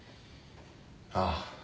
ああ。